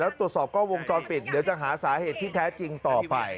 แล้วตรวจสอบกล้องวงจรปิดเดี๋ยวจะหาสาเหตุที่แท้จริงต่อไป